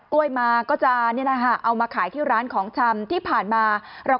กล้วยมาก็จะนี่แหละค่ะเอามาขายที่ร้านของชำที่ผ่านมาเรา